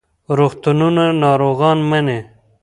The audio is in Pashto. روغتونونه ناروغان مني.